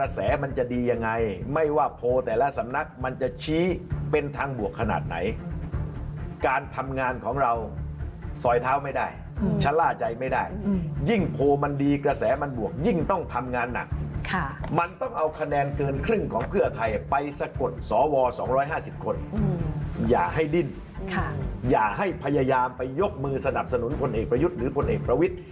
สนับสนุนคนเหตุประยุทธ์หรือคนเหตุประวิทธิ์